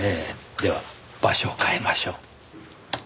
では場所を変えましょう。